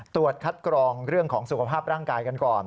ตรวจคัดกรองเรื่องของสุขภาพร่างกายกันก่อน